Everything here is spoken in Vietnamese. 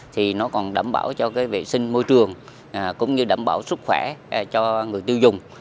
thì nó còn đảm bảo cho cái vệ sinh môi trường cũng như đảm bảo sức khỏe cho người tiêu dùng